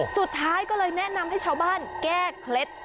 สุดท้ายก็เลยแนะนำให้ชาวบ้านแก้เคล็ด